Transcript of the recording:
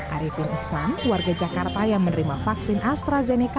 arifin iksan warga jakarta yang menerima vaksin astrazeneca